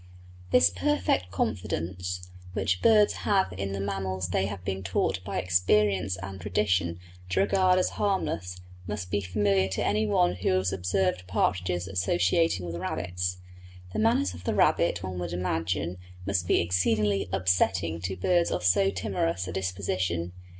This perfect confidence which birds have in the mammals they have been taught by experience and tradition to regard as harmless must be familiar to any one who has observed partridges associating with rabbits. The manners of the rabbit, one would imagine, must be exceedingly "upsetting" to birds of so timorous a disposition.